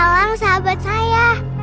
kamu memang anak yang baik